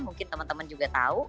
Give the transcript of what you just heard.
mungkin teman teman juga tahu